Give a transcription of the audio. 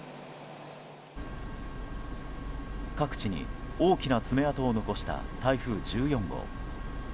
各地に大きな爪痕を残した台風１４号。